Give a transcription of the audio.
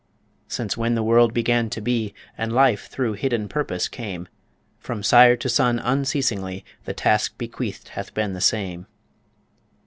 Since when the world began to be, And life through hidden purpose came, From sire to son unceasingly The task bequeathed hath been the same.